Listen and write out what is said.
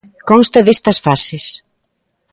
Consta destas fases.